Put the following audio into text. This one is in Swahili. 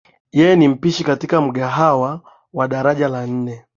Yeye ni mpishi katika mgahawa wa daraja la nne.